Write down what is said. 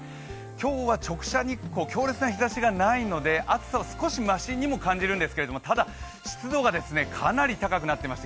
今日は直射日光強烈な日ざしがないので暑さは少しマシにも感じるんですけどもただ湿度がかなり高くなっています。